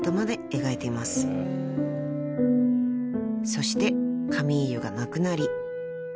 ［そしてカミーユが亡くなり